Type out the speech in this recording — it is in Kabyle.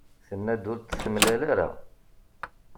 Tenna-d ur t-temlal ara.